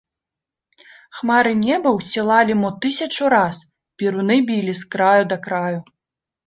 Хмары неба ўсцілалі мо тысячу раз, перуны білі з краю да краю.